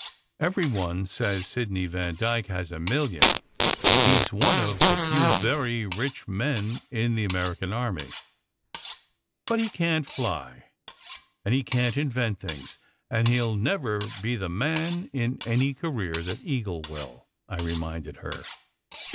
Every one says Sidney Vandyke has a million. He s one of the few very rich men in the American army." "But he can t fly, and he can t invent things, and he ll never be the man in any career that Eagle will," I reminded her.